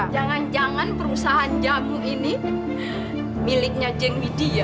jangan jangan perusahaan jamu ini miliknya jengwidia